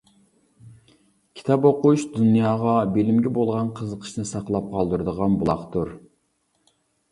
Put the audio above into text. كىتاب ئوقۇش دۇنياغا، بىلىمگە بولغان قىزىقىشنى ساقلاپ قالدۇرىدىغان بۇلاقتۇر.